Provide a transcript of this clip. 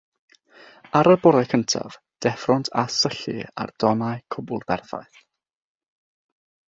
Ar y bore cyntaf, deffront a syllu ar donnau cwbl berffaith.